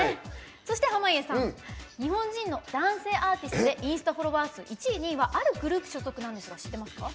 そして濱家さん日本人の男性アーティストでインスタフォロワー数１位２位はあるグループ所属なんですが知ってますか？